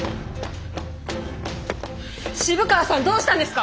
渋川さんどうしたんですか？